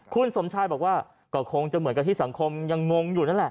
คุณสมชายบอกว่าก็คงจะเหมือนกับที่สังคมยังงงอยู่นั่นแหละ